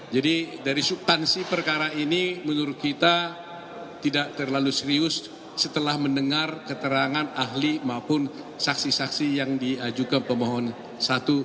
jadi dari subtansi perkara ini menurut kita tidak terlalu serius setelah mendengar keterangan ahli maupun saksi saksi yang diajukan pemohon satu